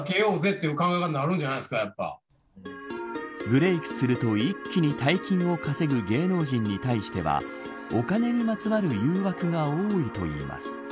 ブレークすると一気に大金を稼ぐ芸能人に対してはお金にまつわる誘惑が多いといいます。